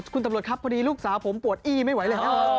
คุณตำรวจครับพอดีลูกสาวผมปวดอี้ไม่ไหวแล้ว